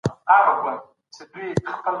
ځوانان له خپلو ګوندونو سره عاطفي اړيکې لري.